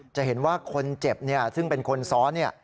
จะเห็นว่าคนเจ็บซึ่งเป็นคนซ้อน